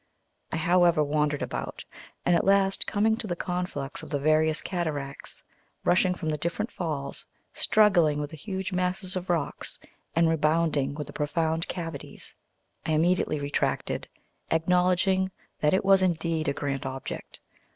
I, however, wandered about; and at last coming to the conflux of the various cataracts rushing from different falls, struggling with the huge masses of rock, and rebounding from the profound cavities, I immediately retracted, acknowledging that it was indeed a grand object.